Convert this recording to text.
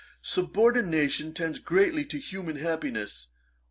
Subordination tends greatly to human happiness.